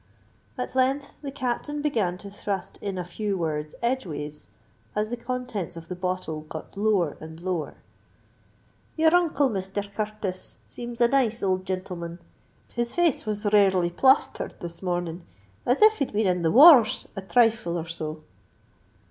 At length the Captain began to thrust in a few words edgeways, as the contents of the bottle got lower and lower. "Your uncle, Misther Curtis, seems a nice old jintleman. His face was rarely plasthered this mornin', as if he'd been in the war r rs a thrifle or so."